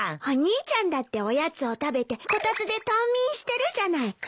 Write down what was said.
お兄ちゃんだっておやつを食べてこたつで冬眠してるじゃない。